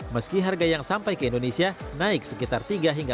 meski harga yang sampai ke indonesia naik sekitar tiga miliar rupiah